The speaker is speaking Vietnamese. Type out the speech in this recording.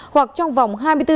hoặc trong vòng hai mươi bốn giờ